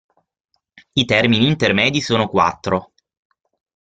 I termini intermedi sono quattro.